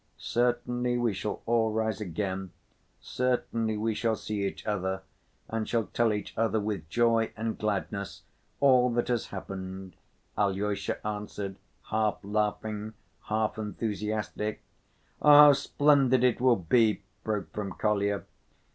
"Certainly we shall all rise again, certainly we shall see each other and shall tell each other with joy and gladness all that has happened!" Alyosha answered, half laughing, half enthusiastic. "Ah, how splendid it will be!" broke from Kolya.